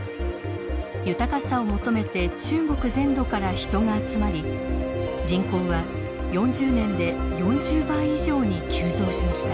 豊かさを求めて中国全土から人が集まり人口は４０年で４０倍以上に急増しました。